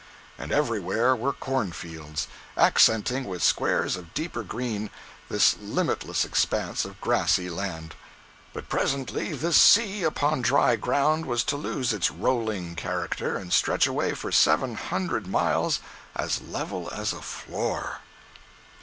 And everywhere were cornfields, accenting with squares of deeper green, this limitless expanse of grassy land. But presently this sea upon dry ground was to lose its "rolling" character and stretch away for seven hundred miles as level as a floor!